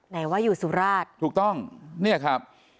ไหนว่าอยู่สุราชถูกต้องเนี่ยครับ